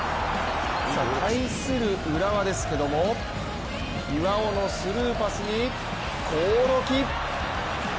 対する浦和は岩尾のスルーパスに興梠。